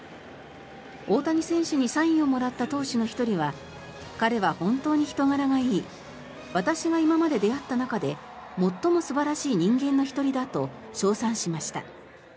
大谷選手にサインをもらった投手の１人は彼は本当に人柄がいい私が今まで出会った中で最も素晴らしい人間の１人だと称賛しました。